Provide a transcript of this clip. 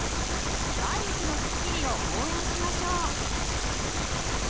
毎日のすっきりを応援しましょう！